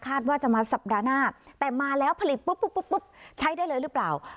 ว่าจะมาสัปดาห์หน้าแต่มาแล้วผลิตปุ๊บปุ๊บใช้ได้เลยหรือเปล่า